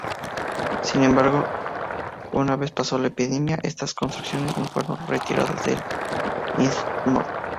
Sin embargo, una vez pasó la epidemia, estas construcciones no fueron retiradas del istmo.